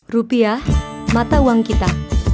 rupiah mata uang kita